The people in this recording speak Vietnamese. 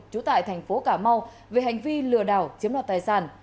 trú tại thành phố cà mau về hành vi lừa đảo chiếm đoạt tài sản